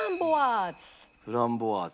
フランボワーズ。